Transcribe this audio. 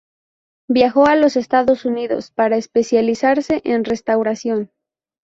Viajó a los Estados Unidos para especializarse en restauración.